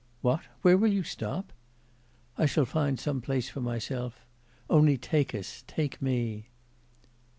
'What? where will you stop?' 'I shall find some place for myself; only take us, take me.